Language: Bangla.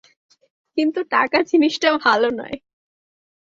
কিন্তু টাকা জিনিসটা ভালো নয়।